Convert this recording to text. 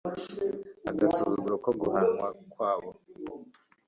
Agasuzuguro ko guhanwa kwabo